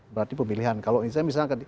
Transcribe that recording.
berarti pemilihan kalau misalnya